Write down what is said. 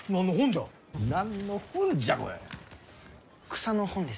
草の本です。